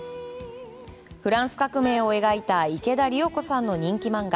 フランス革命を描いた池田理代子さんの人気漫画